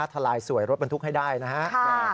ทลายสวยรถบรรทุกให้ได้นะครับ